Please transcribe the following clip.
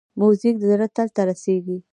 موزیک د زړه تل ته رسېږي.